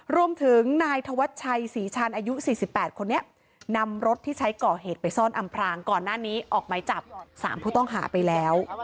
รวมถึงนายธวัชชัยศรีชันอายุ๔๘คนนี้นำรถที่ใช้ก่อเหตุไปซ่อนอำพรางก่อนหน้านี้ออกหมายจับ๓ผู้ต้องหาไปแล้ว